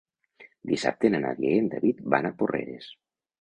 Dissabte na Nàdia i en David van a Porreres.